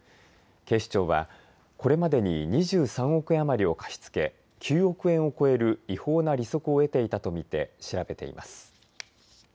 警視庁はこれまでに２３億円余りを貸し付け９億円を超える違法な利息を得ていたと見て調べています。